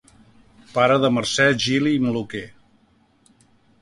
Pare de Mercè Gili i Maluquer.